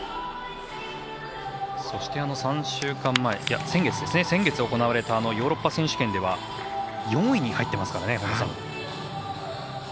そして、先月行われたヨーロッパ選手権では４位に入っていますからね。